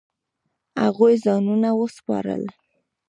هغوی ځانونه وسپارل.